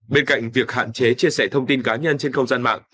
bên cạnh việc hạn chế chia sẻ thông tin cá nhân trên không gian mạng